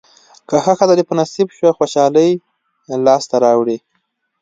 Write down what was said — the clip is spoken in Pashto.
که ښه ښځه دې په نصیب شوه خوشالۍ لاسته راوړې.